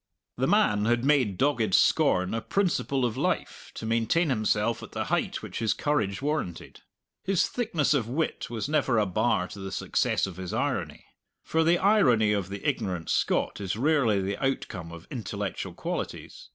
The man had made dogged scorn a principle of life to maintain himself at the height which his courage warranted. His thickness of wit was never a bar to the success of his irony. For the irony of the ignorant Scot is rarely the outcome of intellectual qualities.